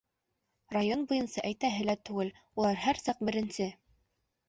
Район буйынса әйтәһе лә түгел: улар һәр саҡ беренсе!